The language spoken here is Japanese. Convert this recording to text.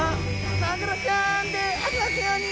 マグロちゃんでありますように！